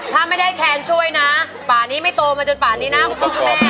ถ้าไม่ได้แคนช่วยนะป่านี้ไม่โตมาจนป่านี้นะ